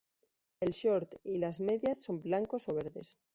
El short y las medias son blancos o verdes.